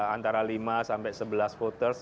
antara lima sampai sebelas voters